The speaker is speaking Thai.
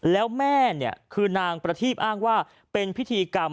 แล้วแม่เนี่ยคือนางประทีบอ้างว่าเป็นพิธีกรรม